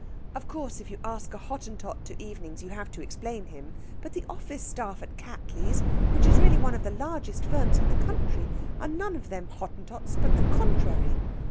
Of course, if you ask a Hottentot to evenings, you have to explain him. But the office staff at Cattley's (which is really one of the largest firms in the country) are none of them Hottentots, but the contrary....